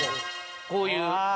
こういう。